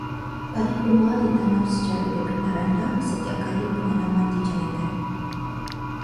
Padi huma ditanam secara berpindah-randah setiap kali penanaman dijalankan.